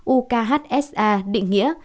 ukhsa định nghĩa